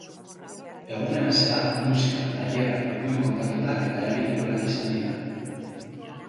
Egunean zehar, musika, tailerrak, ipuin-kontaketak eta herri-kirolak izan dira.